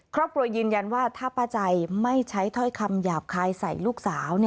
ครอบครัวยืนยันว่าถ้าป้าใจไม่ใช้ถ้อยคำหยาบคายใส่ลูกสาว